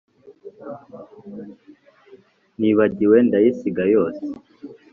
nibagiwe ndayisiga yose